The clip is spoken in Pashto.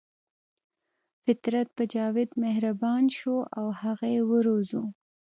فطرت په جاوید مهربان شو او هغه یې وروزه